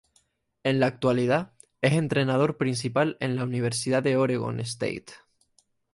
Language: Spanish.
En la actualidad es entrenador principal en la Universidad de Oregon State.